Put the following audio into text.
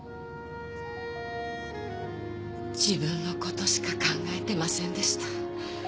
自分のことしか考えていませんでした。